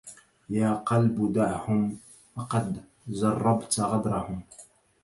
يا قلب دعهم فقد جربت غدرهم